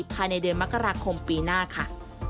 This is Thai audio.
ภายในเดือนมกราคมปีหน้าค่ะ